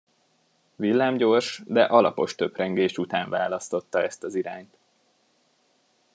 Villámgyors, de alapos töprengés után választotta ezt az irányt.